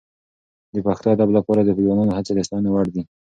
د پښتو ادب لپاره د ځوانانو هڅې د ستاینې وړ دي.